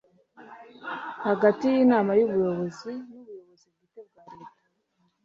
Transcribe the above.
hagati y’inama y’ubuyobozi n’ubuyobozi bwite bwa leta